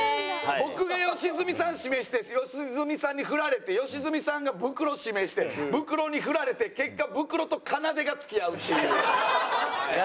僕が吉住さん指名して吉住さんにフラれて吉住さんがブクロ指名してブクロにフラれて結果ブクロとかなでが付き合うっていう。